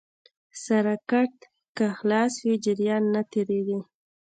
سرکټ که خلاص وي جریان نه تېرېږي.